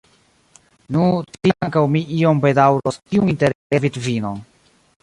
Nu, tiam ankaŭ mi iom bedaŭros tiun interesan vidvinon.